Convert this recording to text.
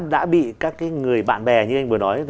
đã bị các người bạn bè như anh vừa nói